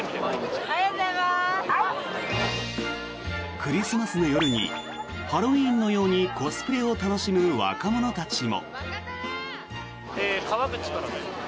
クリスマスの夜にハロウィーンのようにコスプレを楽しむ若者たちも。